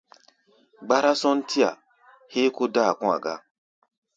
Gbárá-sɔ́ntí-a héé kó dáa kɔ̧́-a̧ ga.